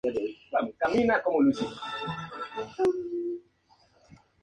Fíbulas comunes.